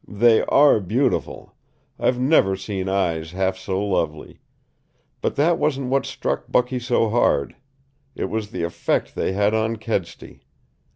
They ARE beautiful; I've never seen eyes half so lovely. But that wasn't what struck Bucky so hard. It was the effect they had on Kedsty.